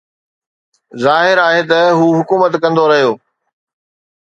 ظاهر آهي ته هو حڪومت ڪندو رهيو